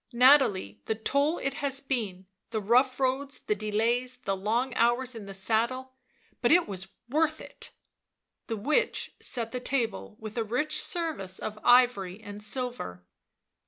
Nathalie, the toil it has been, the rough roads, the delays, the long hours in the saddle— but it was worth it!" The . witch set the table with a rich service of ivory and silver.